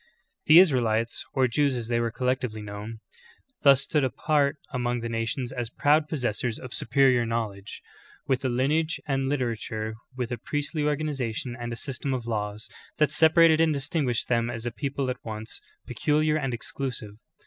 5. The Israelites, or Jews as they were collectively known, thus stood apart among the nations as proud pos sessors of superior knowledge, with a lineage and a liter ature, with a priestly organization and a system of laws, that separated and distinguished them as a people at once peculiar and exclusive.